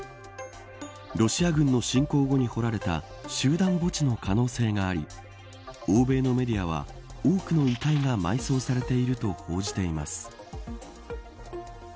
ロシア軍の侵攻後に掘られた集団墓地の可能性があり欧米のメディアは多くの遺体が埋葬されていると報じています。